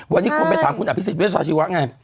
วันนี้คนไปถามคุณอภิษฎเวชาชีวะไง